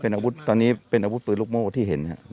เห็นครับตอนนี้เป็นอาวุธเปลืองลูกโม่ที่เห็นครับ